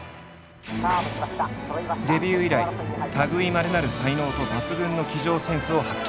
デビュー以来たぐいまれなる才能と抜群の騎乗センスを発揮。